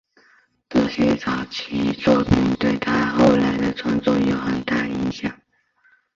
这些早期作品对他后来的创作有很大影响。